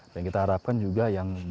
dan kita harapkan juga yang